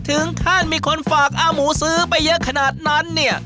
ถึงขั้นมีคนฝากอ้าหมูซื้อไปเยอะขนาดนั้นเนี่ย